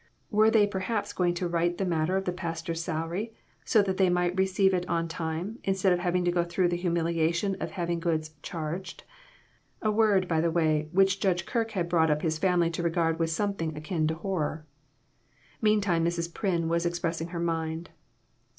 Were they perhaps going to right the matter of the pastor's salary, so that they might receive it on time, instead of having to go through the humiliation of having goods "charged" ? a word, by the way, which Judge Kirke had brought up his family to regard with something akin to horror. Meantime, Mrs. Pryn was expressing her mind.